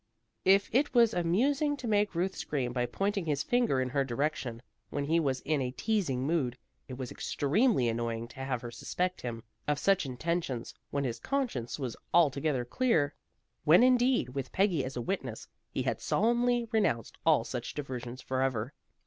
If it was amusing to make Ruth scream by pointing his finger in her direction, when he was in a teasing mood, it was extremely annoying to have her suspect him of such intentions when his conscience was altogether clear, when indeed, with Peggy as a witness, he had solemnly renounced all such diversions forever.